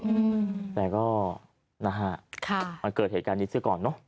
อืมแต่ก็นะฮะค่ะมันเกิดเหตุการณ์นี้ซะก่อนเนอะ